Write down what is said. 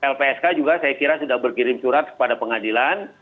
lpsk juga saya kira sudah berkirim surat kepada pengadilan